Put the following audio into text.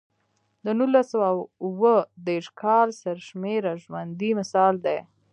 د نولس سوه اووه دېرش کال سرشمېرنه ژوندی مثال دی.